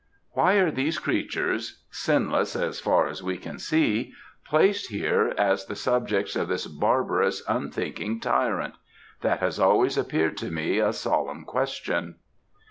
Why are these creatures, sinless, as far as we see, placed here as the subjects of this barbarous, unthinking tyrant? That has always appeared to me a solemn question."